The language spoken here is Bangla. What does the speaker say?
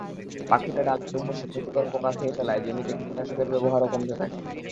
পাখিরা ডালে বসে ক্ষতিকর পোকা খেয়ে ফেলায় জমিতে কীটনাশকের ব্যবহারও কমতে থাকে।